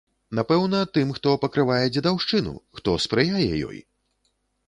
Напэўна, тым, хто пакрывае дзедаўшчыну, хто спрыяе ёй?